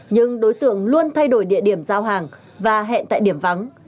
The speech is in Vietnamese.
nhưng đối tượng luôn thay đổi địa điểm giao hàng và hẹn tại điểm vắng